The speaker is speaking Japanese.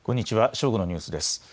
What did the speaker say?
正午のニュースです。